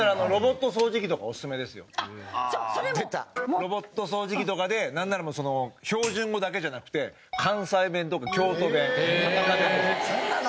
ロボット掃除機とかでなんならもうその標準語だけじゃなくて関西弁とか京都弁博多弁とか。